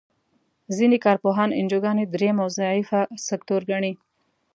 ځینې کار پوهان انجوګانې دریم او ضعیفه سکتور ګڼي.